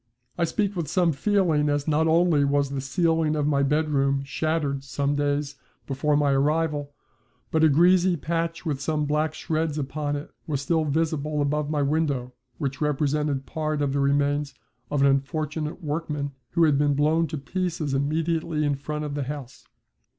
I speak with some feeling, as not only was the ceiling of my bedroom shattered some days before my arrival, but a greasy patch with some black shreds upon it was still visible above my window which represented part of the remains of an unfortunate workman, who had been blown to pieces immediately in front of the house.